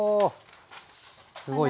すごい。